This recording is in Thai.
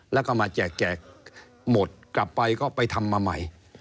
แล้วก็มาแจกหมดกลับไปก็ไปทำมาใหม่